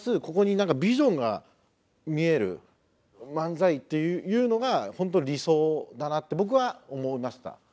ここに何かビジョンが見える漫才っていうのが本当に理想だなって僕は思いました。